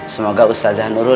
semoga ustadzah nurulillah